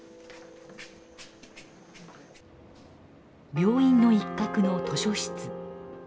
病院の一角の図書室。